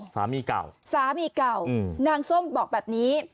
สามีเก่าสามีเก่านางส้มบอกแบบนี้